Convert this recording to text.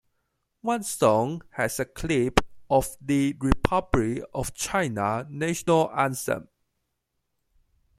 One song has a clip of the Republic of China national anthem.